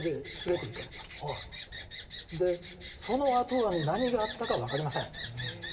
でそのあとはね何があったか分かりません。